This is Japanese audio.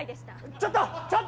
ちょっと！